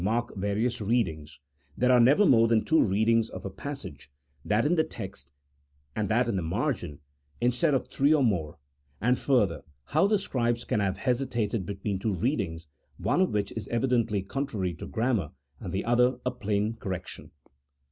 mark various readings, there are never more than two readings of a passage, that in the text and that in the margin, instead of three or more; and further, how the scribes can have hesitated between two readings, one of which is evidently contrary to grammar, and the other a plain correction.